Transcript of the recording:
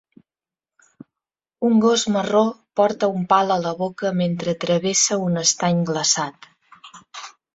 Un gos marró porta un pal a la boca mentre travessa un estany glaçat.